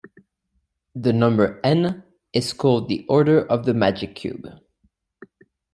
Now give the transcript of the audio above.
The number "n" is called the order of the magic cube.